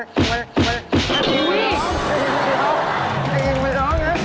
เก็บหิวอีด